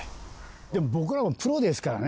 でも僕らもプロですからね。